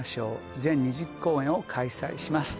全２０公演を開催します